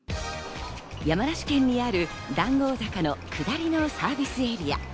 山梨県にある談合坂の下りのサービスエリア。